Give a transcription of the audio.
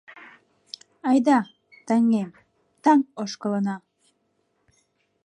Айда, таҥем, таҥ ошкылына -